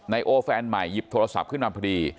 โอแฟนใหม่หยิบโทรศัพท์ขึ้นมาพอดี